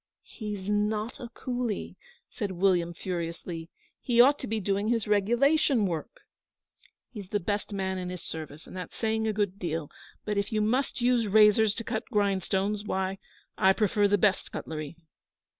'He's not a coolie,' said William furiously. 'He ought to be doing his regulation work.' 'He's the best man in his service, and that's saying a good deal; but if you must use razors to cut grindstones, why, I prefer the best cutlery.'